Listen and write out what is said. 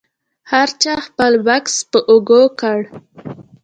هر چا خپل بکس په اوږه کړ.